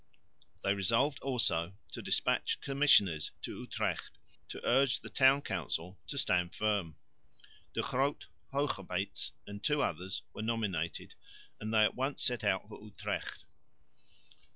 They resolved also to despatch commissioners to Utrecht to urge the town council to stand firm. De Groot, Hoogerbeets and two others were nominated, and they at once set out for Utrecht.